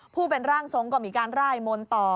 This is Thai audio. ผู้เป็นร่างทรงก็มีการไล่มนต่อ